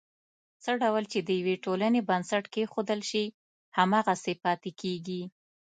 څه ډول چې د یوې ټولنې بنسټ کېښودل شي، هماغسې پاتې کېږي.